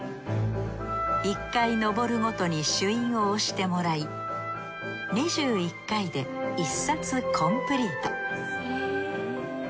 １回登るごとに朱印を押してもらい２１回で１冊コンプリート